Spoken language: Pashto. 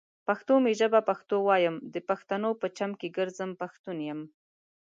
پښتو می ژبه پښتو وايم، دا پښتنو په چم کې ګرځم ، پښتون يمه